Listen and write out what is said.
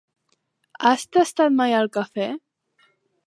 Has tastat mai el cafè?